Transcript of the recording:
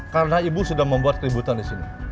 karena ibu sudah membuat keributan di sini